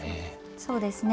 そうですね。